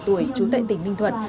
trú tại tỉnh ninh thuận